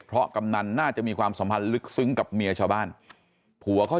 เพราะกำนันน่าจะมีความสัมพันธ์ลึกซึ้งกับเมียชาวบ้านผัวเขา